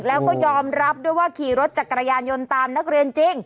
แล้วก็ยอมรับด้วยว่าขี่รถจักรยานยนต์ตามนักเรียนจริง